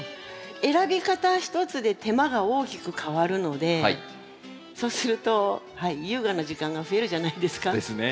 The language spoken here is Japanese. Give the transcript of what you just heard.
選び方ひとつで手間が大きく変わるのでそうすると優雅な時間が増えるじゃないですか。ですね。